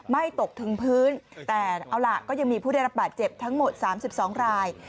ตกถึงพื้นแต่เอาล่ะก็ยังมีผู้ได้รับบาดเจ็บทั้งหมด๓๒ราย